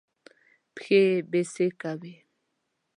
پښې يې بېسېکه وې.